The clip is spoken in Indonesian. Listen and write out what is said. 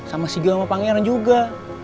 sama si gawa pangeran juga